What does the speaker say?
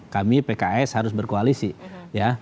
kami pks harus berkoalisi ya